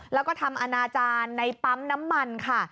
แล้วก็ทำอนาจารย์ในปั๊มน้ำมันค่ะ